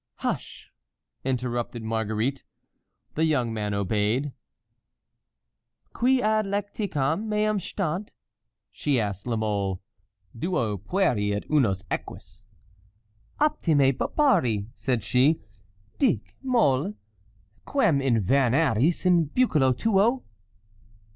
"Hush!" interrupted Marguerite. The young man obeyed. "Qui ad lecticam meam stant?" she asked La Mole. "Duo pueri et unus eques." "Optime, barbari!" said she. "Dic, Moles, quem inveneris in biculo tuo?"